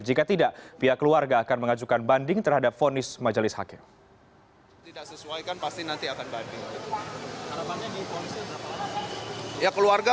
jika tidak pihak keluarga akan mengajukan banding terhadap fonis majelis hakim